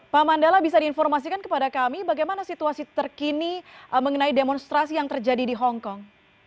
pak mandala bisa diinformasikan kepada kami bagaimana situasi terkini mengenai demonstrasi yang terjadi di hongkong